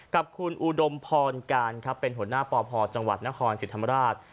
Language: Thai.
กับคุณอูดมพรการเป็นหัวหน้าปภจังหวัดนครสีธรรมราช